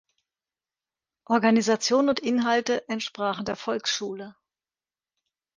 Organisation und Inhalte entsprachen der Volksschule.